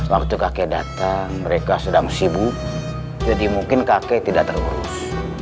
waktu kakek datang mereka sedang sibuk jadi mungkin kakek tidak terurus